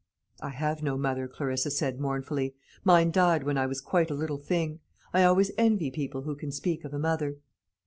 '" "I have no mother," Clarissa said mournfully; "mine died when I was quite a little thing. I always envy people who can speak of a mother."